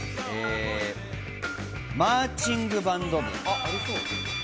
マーチングバンド部。